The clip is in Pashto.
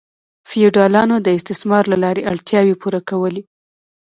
فیوډالانو د استثمار له لارې اړتیاوې پوره کولې.